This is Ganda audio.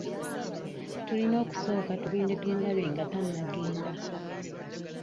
Tulina okusooka tugende tumulabe nga tannagenda.